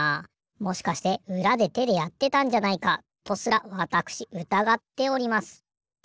もしかしてうらでてでやってたんじゃないかとすらわたくしうたがっております。